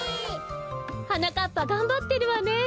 はなかっぱがんばってるわね。